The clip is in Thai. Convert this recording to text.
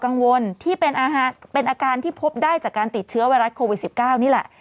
กังวลที่เป็นอาหารเป็นอาการที่พบได้จากการติดเชื้อไวรัสโควิดสิบเก้านี่แหละ